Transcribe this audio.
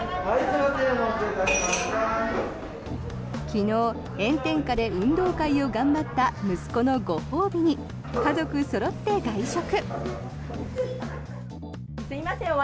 昨日、炎天下で運動会を頑張った息子のご褒美に家族そろって外食。